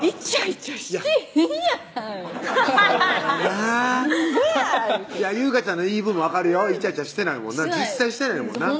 言うて優香ちゃんの言い分も分かるよイチャイチャしてないもんな実際してないもんな